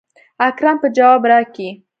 اکرم به جواب راکي.